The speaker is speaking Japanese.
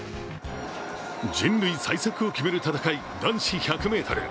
人類最速を決める戦い、男子１００ｍ。